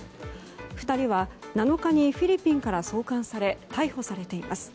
２人は７日にフィリピンから送還され逮捕されています。